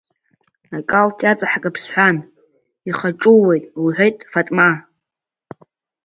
Акалаҭ иҵаҳкып сҳәан, ихәаҽуеит лҳәеит Фатма.